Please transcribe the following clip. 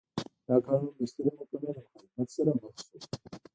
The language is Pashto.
دا قانون هم د سترې محکمې له مخالفت سره مخ شو.